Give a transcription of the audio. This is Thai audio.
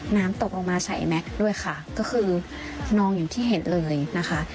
น้ำตกลงมาใส่แม็กซ์ด้วยค่ะก็คือนองอย่างที่เห็นเลยนะคะ